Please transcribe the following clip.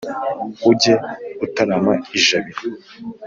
Ujye utarama ijabiro.